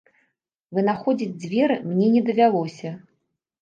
Вынаходзіць дзверы мне не давялося.